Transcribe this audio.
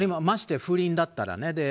ましてや不倫だったら。